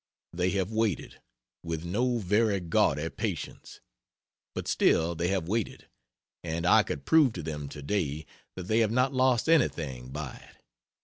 They have waited with no very gaudy patience but still they have waited; and I could prove to them to day that they have not lost anything by it.